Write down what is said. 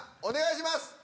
お願いします！